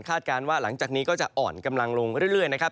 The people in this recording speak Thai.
การว่าหลังจากนี้ก็จะอ่อนกำลังลงเรื่อยนะครับ